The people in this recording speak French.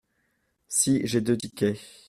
Si j’ai deux tickets.